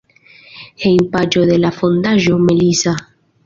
Hejmpaĝo de la Fondaĵo "Melissa".